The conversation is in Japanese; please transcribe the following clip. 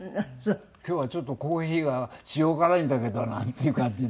今日はちょっとコーヒーが塩辛いんだけどなっていう感じで。